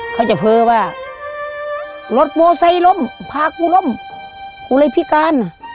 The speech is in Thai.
เขาจะเผลอว่ารถโมไซค์ล้มพากูล้มกูเลยพิการ